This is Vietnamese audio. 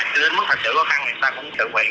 cho đến mức thật sự khó khăn người ta cũng tự nguyện